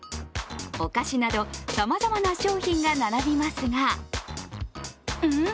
お菓子など、さまざまな商品が並びますがん？